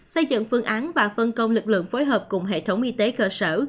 xây dựng phương án và phân công lực lượng phối hợp cùng hệ thống y tế cơ sở